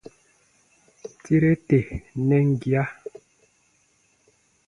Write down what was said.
Tire tè nɛn gia.